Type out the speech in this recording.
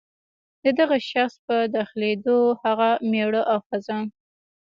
د دغه شخص په داخلېدو هغه مېړه او ښځه.